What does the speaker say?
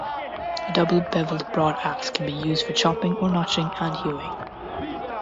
A double beveled broad axe can be used for chopping or notching and hewing.